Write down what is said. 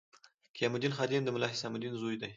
قیام الدین خادم د ملا حسام الدین زوی دی.